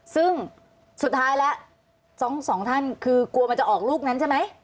ซึ่งสุดท้ายแล้วสองท่านคือกลัวมันจะออกลูกนั้นใช่ไหม